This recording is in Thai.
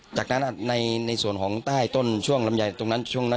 จากนั้นในส่วนของใต้ต้นช่วงลำใหญญ์ช่วงนั้นจะมืด